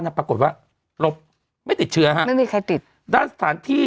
ปรากฏว่าเราไม่ติดเชื้อฮะไม่มีใครติดด้านสถานที่